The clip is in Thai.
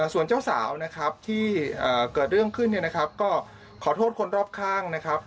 ส่วนเจ้าสาวนะครับที่เกิดเรื่องขึ้นเนี่ยนะครับก็ขอโทษคนรอบข้างนะครับ